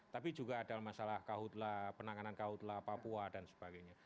tapi juga ada masalah penanganan kahutla papua dan sebagainya